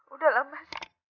udah lah mas